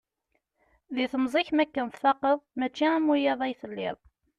Di temẓi-k mi akken tfaqeḍ, mačči am wiyaḍ ay telliḍ.